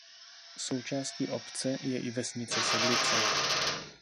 Součástí obce je i vesnice Sedlice.